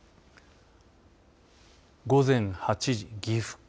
午前８時、岐阜県